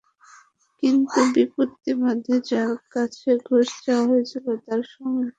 কিন্তু বিপত্তি বাধে যাঁর কাছে ঘুষ চাওয়া হয়েছিল তাঁর সৎসাহসের জন্য।